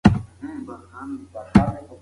باید د محتاجو کسانو لاسنیوی وشي.